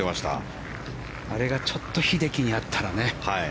あれが、ちょっと英樹にあったらね。